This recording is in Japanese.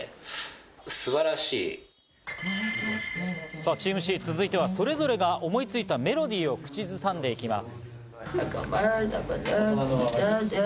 さぁチームＣ、続いてはそれぞれが思いついたメロディーを口ずさんで行きます。